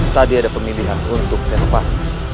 tadi ada pemilihan untuk serpah